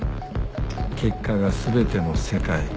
結果が全ての世界。